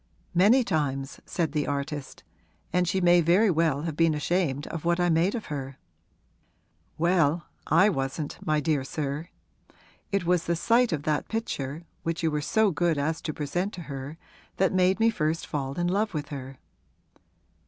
'Many times,' said the artist; 'and she may very well have been ashamed of what I made of her.' 'Well, I wasn't, my dear sir; it was the sight of that picture, which you were so good as to present to her, that made me first fall in love with her.'